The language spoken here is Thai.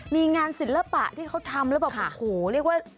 มีงานศิลปะที่เขาทำแล้วแบบโอ้โหเรียกว่า